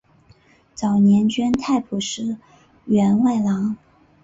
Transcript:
早年捐太仆寺员外郎。